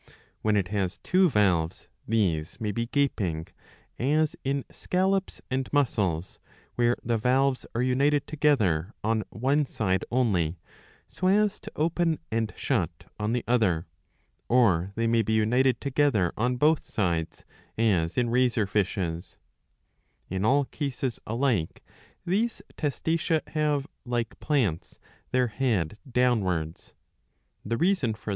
^ When it has two valves, these may be gaping, as in scallops and mussels, where the valves are united together on one side only, so as to open and shut on the other, or they may be united together on both sides, as in razor fishes,* In all cases alike these Testacea have, like plants, their head downwards. The reason for.